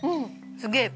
すげえ。